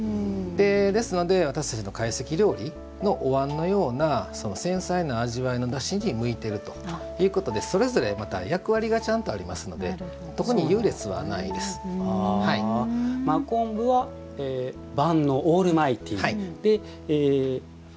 ですので、私たちの懐石料理のおわんのような繊細な味わいのだしに向いているということでそれぞれまた役割がちゃんとありますので真昆布は万能オールマイティー。